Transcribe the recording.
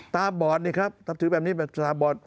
ตาบอดนี่ครับนับถือแบบนี้แบบตาบอด